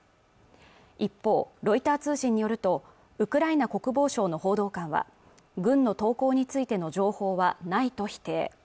一方ロイター通信によるとウクライナ国防省の報道官は軍の投降についての情報はないと否定